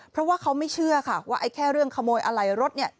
เพราะว่าเขาไม่เชื่อค่ะว่าไอ้แค่เรื่องขโมยอะไรรถเนี่ย